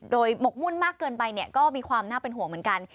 โดยหมกมุ่นมากเกินไปเนี่ยก็มีความน่าเป็นห่วงเหมือนกัน